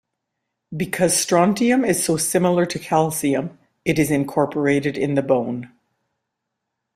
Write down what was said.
Because strontium is so similar to calcium, it is incorporated in the bone.